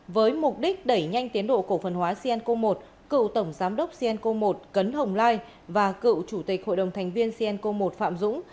với mục đích đẩy nhanh tiến độ cổ phần hóa cianco i cựu tổng giám đốc cenco một cấn hồng lai và cựu chủ tịch hội đồng thành viên cnco một phạm dũng